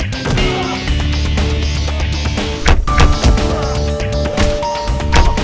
cari masalah kejar kejar